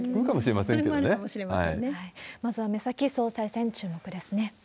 まずは目先、総裁選注目ですね。